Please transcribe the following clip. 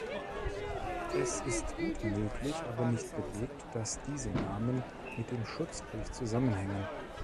Es ist gut möglich, aber nicht belegt, dass diese Namen mit dem Schutzbrief zusammenhängen.